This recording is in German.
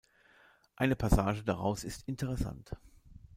Eine Passage daraus ist interessant.